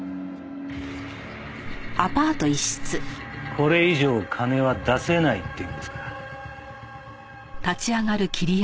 これ以上金は出せないっていうんですか？